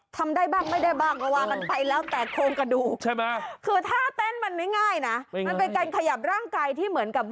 ทำได้บ้างไม่ได้บ้างแต่ว่ามันไปแล้วแต่โครงกระดูก